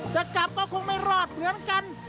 จะกลับก็คงไม่รอดเหมือนกัน